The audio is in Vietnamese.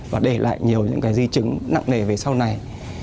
và để lại nhiều những cái di chứng nặng nề về sau này